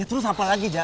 ya terus apa lagi jak